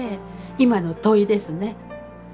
今の問いですね。